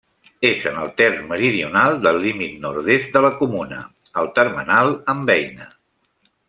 És en el terç meridional del límit nord-est de la comuna, al termenal amb Eina.